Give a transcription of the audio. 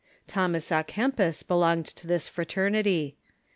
Thomas a Kempis belonged to this fraternity.